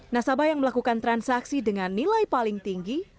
nasabah yang melakukan transaksi dengan nilai paling tinggi